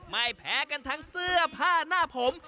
ไม่แพ้กันทั้งเสื้อผ้าหน้าผม